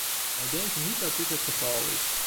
Wij denken niet dat dit het geval is.